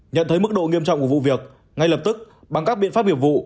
nhận thấy mức độ nghiêm trọng của vụ việc ngay lập tức bằng các biện pháp nghiệp vụ